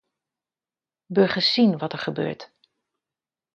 Burgers zien wat er gebeurt.